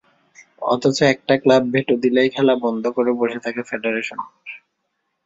অথচ একটা club veto দিলেই খেলা বন্ধ করে বসে থাকে ফেডারেশন।